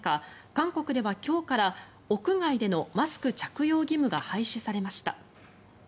韓国では今日から屋外でのマスク着用義務が廃止されました。